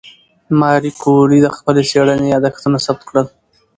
ماري کوري د خپلې څېړنې یادښتونه ثبت کړل.